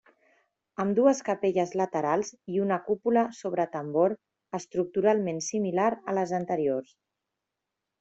Amb dues capelles laterals i una cúpula sobre tambor, estructuralment similar a les anteriors.